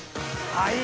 はい？